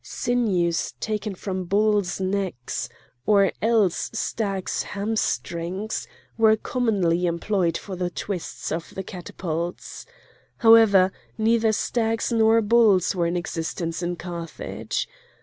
Sinews taken from bulls' necks, or else stags' hamstrings, were commonly employed for the twists of the catapults. However, neither stags nor bulls were in existence in Carthage.